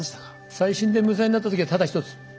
再審で無罪になったときはただ１つ！